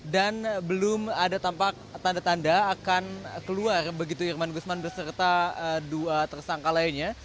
dan belum ada tampak tanda tanda akan keluar begitu irman gusman berserta dua tersangka lainnya